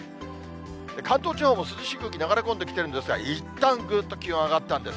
関東地方も涼しい空気、流れ込んできているんですが、いったん気温、ぐっと上がったんです。